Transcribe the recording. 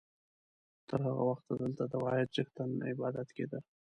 تر هغه وخته دلته د واحد څښتن عبادت کېده.